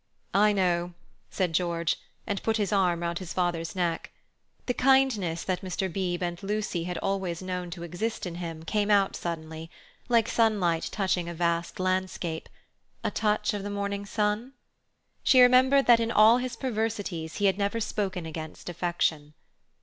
"I know," said George, and put his arm round his father's neck. The kindness that Mr. Beebe and Lucy had always known to exist in him came out suddenly, like sunlight touching a vast landscape—a touch of the morning sun? She remembered that in all his perversities he had never spoken against affection.